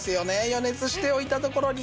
予熱しておいたところに。